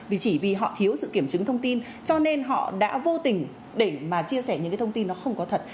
vì chỉ vì họ thiếu sự kiểm chứng thông tin cho nên họ đã vô tình để mà chia sẻ những cái thông tin nó không có thật